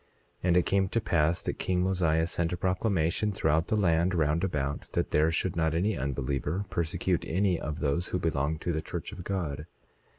27:2 And it came to pass that king Mosiah sent a proclamation throughout the land round about that there should not any unbeliever persecute any of those who belonged to the church of God.